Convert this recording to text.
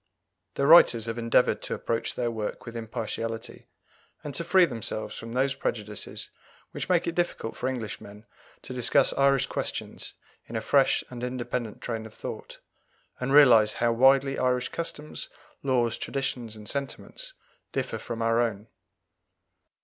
The writers have endeavoured to approach their work with impartiality, and to free themselves from those prejudices which make it difficult for Englishmen to discuss Irish questions in a fresh and independent train of thought, and realize how widely Irish customs, laws, traditions, and sentiments differ from our own.